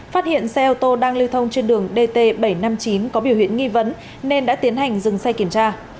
phát hiện xe ô tô đang lưu thông trên đường dt bảy trăm năm mươi chín có biểu hiện nghi vấn nên đã tiến hành dừng xe kiểm tra